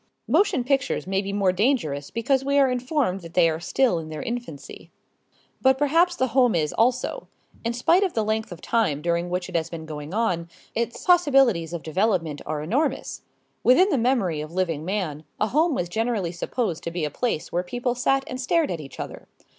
Motion pictures may be more dangerous because we are informed that they are still in their infancy. But perhaps the home is also. In spite of the length of time during which it has been going on, its possibilities of development are enormous. Within the memory of living man a home was generally supposed to be a place where people sat and stared at each other.